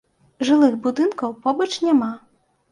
Жылых будынкаў побач няма.